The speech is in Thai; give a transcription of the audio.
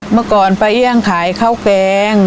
เมื่อก่อนป้าเอี่ยงขายข้าวแกง